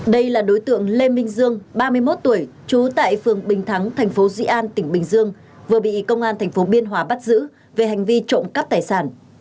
đây là đối tượng lê minh dương ba mươi một tuổi trú tại phường bình thắng thành phố dị an tỉnh bình dương vừa bị công an tp biên hòa bắt giữ về hành vi trộm cắp tài sản